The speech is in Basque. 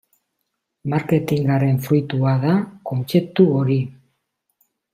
Marketingaren fruitua da kontzeptu hori.